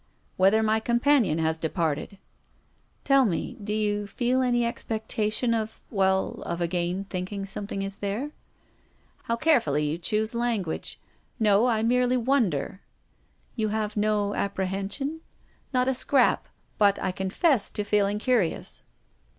" Whether my companion has departed." " Tell me — do yo'u feci any expectation of — well — of again thinking something is there ?"" How carefully you choose language. No, I merely wonder." " You have no apprehension ?"" Not a scrap. But I confess to feeling curi ous.